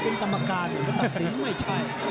ต้องถามสัจใจน้อย